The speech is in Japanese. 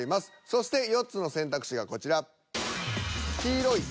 そして４つの選択肢がこちら。